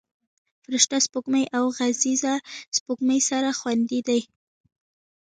فرشته سپوږمۍ او عزیزه سپوږمۍ سره خویندې دي